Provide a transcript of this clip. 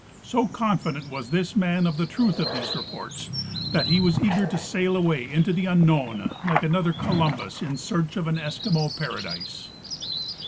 So confident was this man of the truth of these reports that he was eager to sail away into the unknown, like another Columlms, in search of an Eskimo paradise.